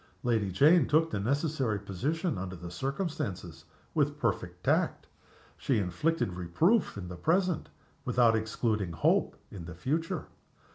Lady Jane took the necessary position under the circumstances with perfect tact. She inflicted reproof in the present without excluding hope in the future.